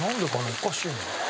おかしいな。